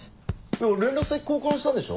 連絡先交換したんでしょ？